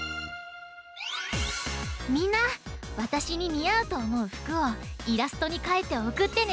みんなわたしににあうとおもうふくをイラストにかいておくってね！